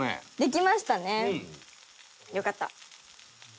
よかった。